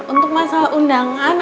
untuk masalah undangan